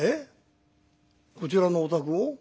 こちらのお宅を？